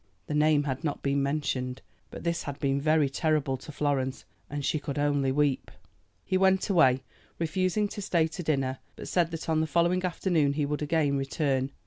The name had not been mentioned; but this had been very terrible to Florence, and she could only weep. He went away, refusing to stay to dinner, but said that on the following afternoon he would again return.